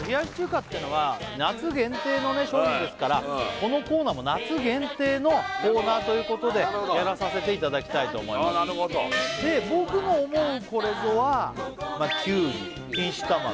これでもの商品ですからこのコーナーも夏限定のコーナーということでやらさせていただきたいと思いますで僕の思うこれぞはキュウリ錦糸卵